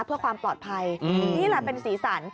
เพื่อความปลอดภัยนี่แหละเป็นสีสัน